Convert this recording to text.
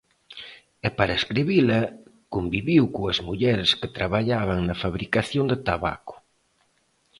E para escribila conviviu coas mulleres que traballaban na fabricación de tabaco.